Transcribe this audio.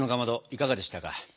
いかがでしたか？